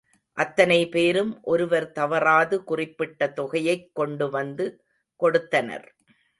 அத்தனை பேரும் ஒருவர் தவறாது குறிப்பிட்ட தொகையைக் கொண்டுவந்து கொடுத்தனர்.